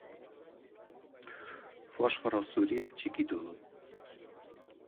Fosforo zuriak txikitu du.